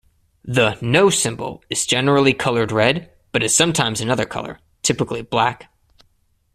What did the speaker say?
The "no" symbol is generally colored red, but is sometimes another color, typically black.